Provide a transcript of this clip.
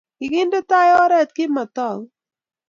kikinde tai oret kimataku